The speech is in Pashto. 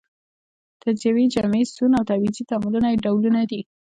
تجزیوي، جمعي، سون او تعویضي تعاملونه یې ډولونه دي.